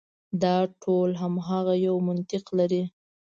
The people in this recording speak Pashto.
دا ټول هماغه یو منطق لري.